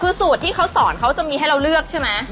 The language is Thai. คือสูตรที่เขาสอนเขาจะมีให้เราเลือกใช่ไหม